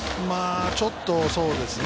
ちょっとそうですね。